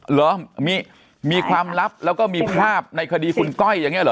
เหรอมีความลับแล้วก็มีภาพในคดีคุณก้อยอย่างนี้เหรอ